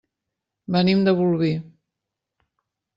Venim de Bolvir.